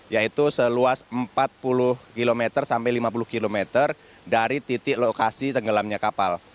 yaitu seluas empat puluh km sampai lima puluh km dari titik lokasi tenggelamnya kapal